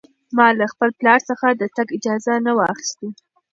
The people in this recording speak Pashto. ما له خپل پلار څخه د تګ اجازه نه وه اخیستې.